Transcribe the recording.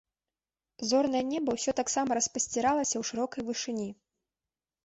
Зорнае неба ўсё таксама распасціралася ў шырокай вышыні.